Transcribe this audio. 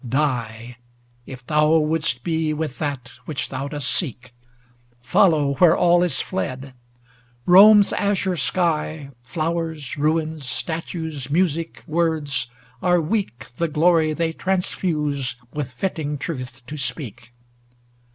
ŌĆö Die, If thou wouldst be with that which thou dost seek ! Follow where all is fled ! ŌĆö Rome's azure sky. Flowers, ruins, statues, music, words, are weak The glory they transfuse with fitting truth to speak.